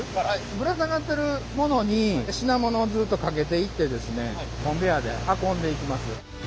ぶら下がってるものに品物をずっとかけていってですねコンベヤーで運んでいきます。